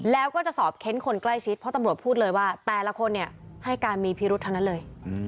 แล้วก็จะสอบเค้นคนใกล้ชิดเพราะตำรวจพูดเลยว่าแต่ละคนเนี่ยให้การมีพิรุษทั้งนั้นเลย